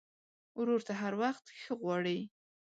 ورور ته هر وخت ښه غواړې.